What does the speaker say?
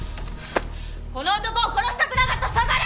この男を殺したくなかったら下がれ！